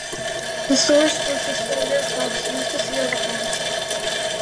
The source was the solder plugs used to seal the cans.